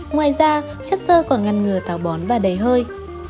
ngoài ra chất sơ còn ngăn ngừa táo bón và đầy hơi